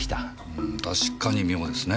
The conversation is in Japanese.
うーん確かに妙ですね。